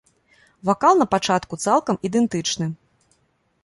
Вакал на пачатку цалкам ідэнтычны.